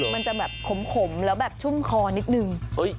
มันจะแบบขมแล้วแบบชุ่มคอนิดนึง